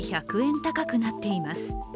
高くなっています。